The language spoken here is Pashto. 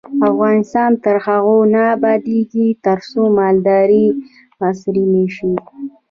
افغانستان تر هغو نه ابادیږي، ترڅو مالداري عصري نشي.